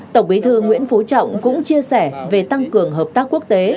tổng bí thư nguyễn phú trọng cũng chia sẻ về tăng cường hợp tác quốc tế